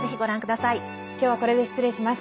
今日はこれで失礼します。